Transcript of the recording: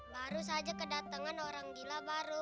baru saja kedatangan orang gila baru